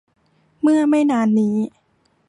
เมื่อไม่นานนี้